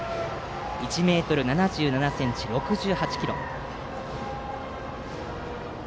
１ｍ７７ｃｍ、６８ｋｇ。